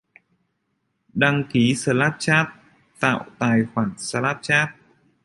Đăng ký Snapchat, tạo tài khoản Snapchat